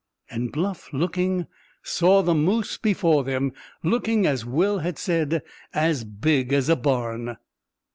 And Bluff, looking, saw the moose before them, looking, as Will had said, "as big as a barn."